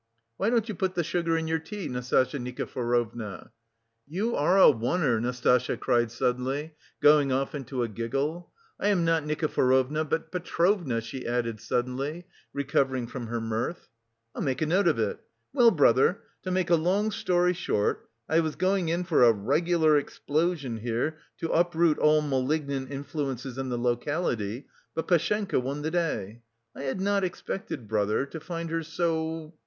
"Why don't you put the sugar in your tea, Nastasya Nikiforovna?" "You are a one!" Nastasya cried suddenly, going off into a giggle. "I am not Nikiforovna, but Petrovna," she added suddenly, recovering from her mirth. "I'll make a note of it. Well, brother, to make a long story short, I was going in for a regular explosion here to uproot all malignant influences in the locality, but Pashenka won the day. I had not expected, brother, to find her so...